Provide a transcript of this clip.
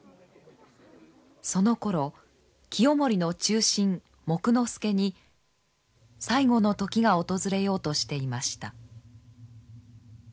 そのころ清盛の忠臣木工助に最期の時が訪れようとしていました。